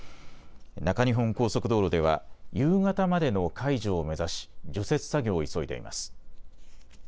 中日本高速道路では夕方までの解除を目指し除雪作業を急いでいます。